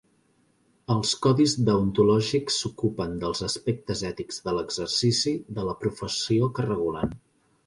Els codis deontològics s'ocupen dels aspectes ètics de l'exercici de la professió que regulen.